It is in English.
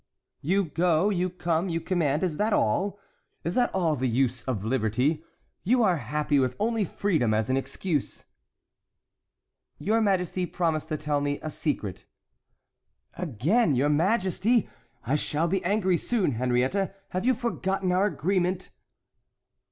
"You go, you come, you command. Is that all? Is that all the use of liberty? You are happy with only freedom as an excuse!" "Your majesty promised to tell me a secret." "Again 'your majesty'! I shall be angry soon, Henriette. Have you forgotten our agreement?"